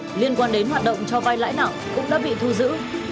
tài liệu liên quan đến hoạt động cho vay lãi nặng cũng đã bị thu giữ